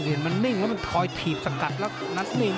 เห็นมันนิ่งแล้วมันคอยถีบสกัดแล้วนัดนิ่ง